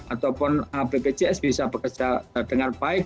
ataupun bpjs bisa bekerja dengan baik